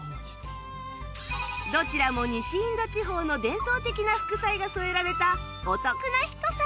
どちらも西インド地方の伝統的な副菜が添えられたお得なひと皿